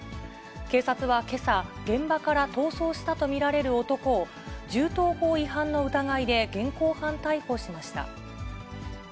警察はけさ、現場から逃走したと見られる男を、銃刀法違反の疑いで現行犯逮捕しました。